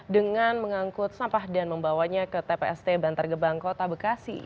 dengan mengangkut sampah dan membawanya ke tpst bantar gebang kota bekasi